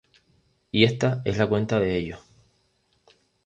Y esta es la cuenta de ellos.